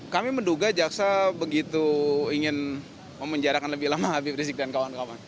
kami menduga jaksa begitu ingin memenjarakan lebih lama habib rizik dan kawan kawan